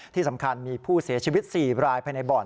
ที่สำคัญมีผู้เสียชีวิต๔รายภายในบ่อน